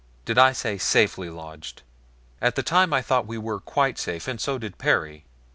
Did I say safely lodged? At the time I thought we were quite safe, and so did Perry.